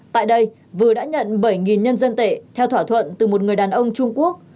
tại đây vừa đã nhận bảy nhân dân tệ theo thỏa thuận từ một người đàn ông trung quốc